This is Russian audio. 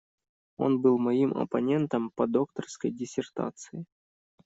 Он был моим оппонентом по докторской диссертации.